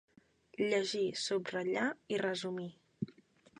Llegir, subratllar i resumir.